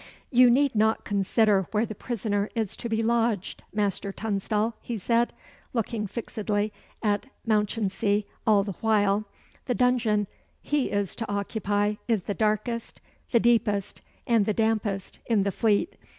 "You need not consider where the prisoner is to be lodged, Master Tunstall," he said, looking fixedly at Mounchensey all the while. "The dungeon he is to occupy is the darkest, the deepest and the dampest in the Fleet.